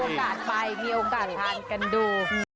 มีโอกาสไปมีโอกาสทานกันดู